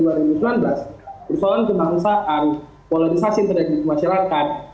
persoalan kebangsaan polarisasi terhadap masyarakat